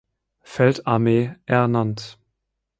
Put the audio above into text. Feldarmee ernannt.